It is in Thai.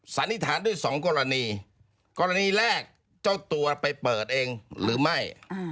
สันนิษฐานด้วยสองกรณีกรณีแรกเจ้าตัวไปเปิดเองหรือไม่